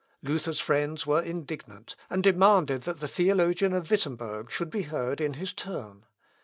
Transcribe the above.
Luther's friends were indignant, and demanded that the theologian of Wittemberg should be heard in his turn.